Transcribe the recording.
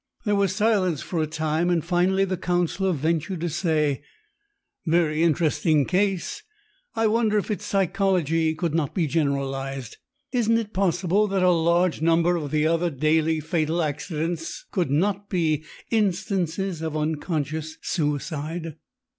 There was silence for a time, and finally the counsellor ventured to say: "Very interesting case! I wonder if its psychology could not be generalised? Isn't it possible that a large number of the other daily fatal accidents could not be instances of 'unconscious suicide'?